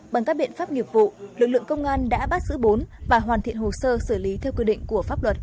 bằng các biện pháp nghiệp vụ lực lượng công an đã bắt giữ bốn và hoàn thiện hồ sơ xử lý theo quy định của pháp luật